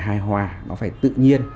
hài hòa nó phải tự nhiên